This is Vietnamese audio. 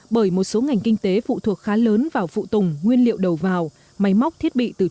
bởi một số ngành kinh tế phụ thuộc khá lớn vào phụ tùng nguyên liệu đầu vào máy móc thiết bị từ trung